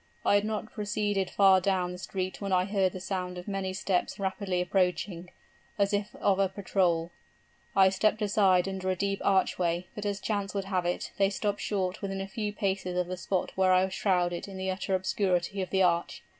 I had not proceeded far down the street when I heard the sound of many steps rapidly approaching, as if of a patrol. I stepped aside under a deep archway, but as chance would have it, they stopped short within a few paces of the spot where I was shrouded in the utter obscurity of the arch.